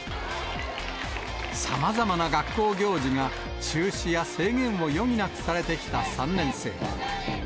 さまざまな学校行事が、中止や制限を余儀なくされてきた３年生。